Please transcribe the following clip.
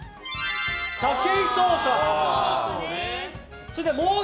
武井壮さん。